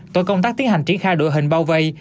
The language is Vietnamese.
tổ công tác tiến hành triển khai đội hình bao vây